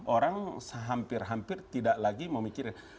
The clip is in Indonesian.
orang hampir hampir tidak lagi memikirkan